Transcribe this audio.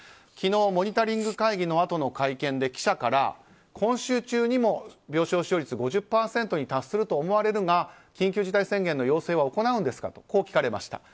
昨日、モニタリング会議のあとの会見で記者から今週中にも病床使用率５０％に達すると思われるが緊急事態宣言の要請は行うんですかとこう聞かれました。